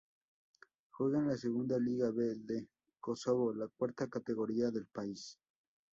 Juega en la Segunda Liga B de Kosovo, la cuarta categoría del país.